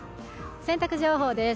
洗濯情報です。